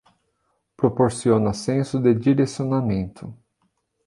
Proporciona senso de direcionamento